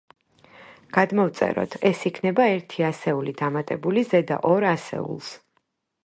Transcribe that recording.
გადმოვწეროთ. ეს იქნება ერთი ასეული დამატებული ზედა ორ ასეულს.